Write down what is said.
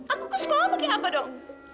aku ke sekolah pakai apa dong